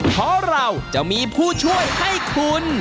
เพราะเราจะมีผู้ช่วยให้คุณ